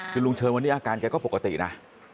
คือลุงเชิญวันนี้อาการแกก็ปกตินะ